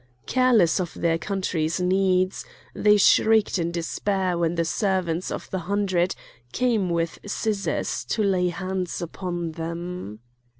Careless of their country's needs, they shrieked in despair when the servants of the Hundred came with scissors to lay hands upon them.